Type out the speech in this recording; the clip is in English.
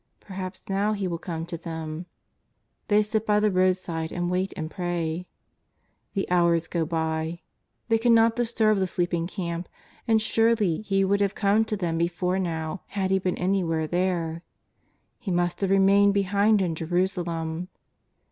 Perhaps now He will come to them. They sit by the roadside and wait and pray. The hours go by. They cannot disturb the sleeping camp, and surely He would have come to them before now had He been anywhere there. He must have remained behind in Jerusalem.